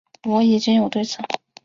我已经有对策